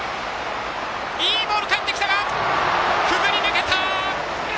いいボール返ってきたがくぐり抜けた！